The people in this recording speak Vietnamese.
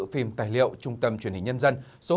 phim tài liệu trung tâm truyền hình nhân dân số bảy mươi một